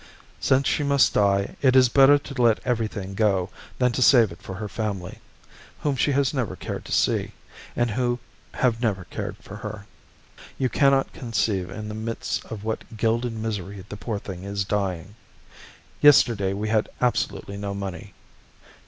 Since she must die, it is better to let everything go than to save it for her family, whom she has never cared to see, and who have never cared for her. You can not conceive in the midst of what gilded misery the poor thing is dying. Yesterday we had absolutely no money.